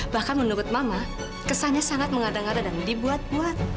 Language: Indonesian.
bahkan menurut mama kesannya sangat mengada ngada dan dibuat buat